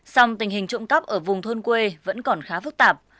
song tình hình trộm cắp ở vùng thôn quê vẫn còn khá phức tạp